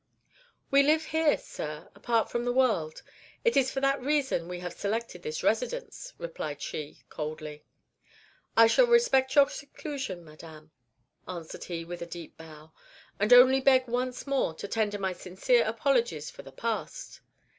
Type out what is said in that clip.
"We live here, sir, apart from the world. It is for that reason we have selected this residence," replied she, coldly. "I shall respect your seclusion, madame," answered he, with a deep bow, "and only beg once more to tender my sincere apologies for the past."